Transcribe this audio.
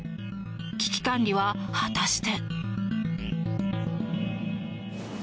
危機管理は果たして。